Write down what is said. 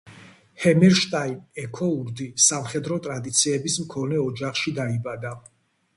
ჰამერშტაინ-ექუორდი სამხედრო ტრადიციების მქონე ოჯახში დაიბადა.